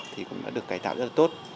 thì cũng đã được cải tạo rất là tốt